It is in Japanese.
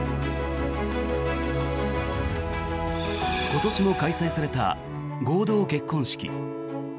今年も開催された合同結婚式。